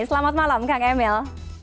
selamat malam kang emil